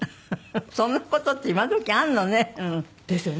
そんな事って今どきあるのね。ですよね。